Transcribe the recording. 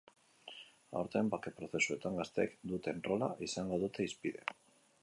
Aurten, bake prozesuetan gazteek duten rola izango dute hizpide.